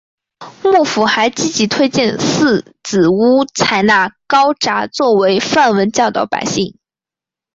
幕府还积极推荐寺子屋采纳高札作为范文教导百姓。